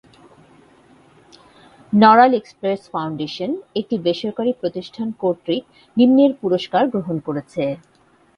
Narail express foundation একটি বেসরকারী প্রতিষ্ঠান কর্তৃক নিম্নের পুরস্কার গ্রহণ করেছে।